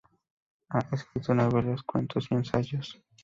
Ha escrito novelas, cuentos y ensayos.